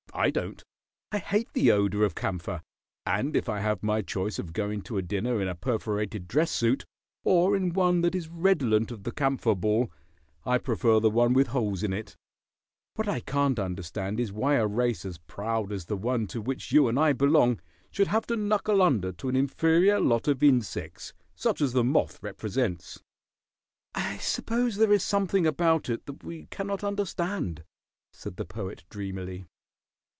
I don't. I hate the odor of camphor, and if I have my choice of going to a dinner in a perforated dress suit or in one that is redolent of the camphor ball, I prefer the one with holes in it. What I can't understand is why a race as proud as the one to which you and I belong should have to knuckle under to an inferior lot of insects such as the moth represents." [Illustration: "'THE LION, THE ELEPHANT, THE TIGER, ALL HAVE THEIR WORK TO DO'"] "I suppose there is something about it that we cannot understand," said the Poet, dreamily.